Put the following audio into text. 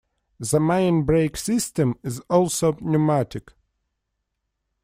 The main brake system is also pneumatic.